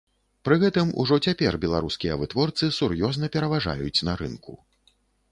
Пры гэтым ужо цяпер беларускія вытворцы сур'ёзна пераважаюць на рынку.